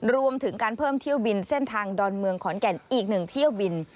รวมถึงการเพิ่มเที่ยวบินเส้นทางดอนเมืองขอนแก่นอีกหนึ่งเที่ยวบิน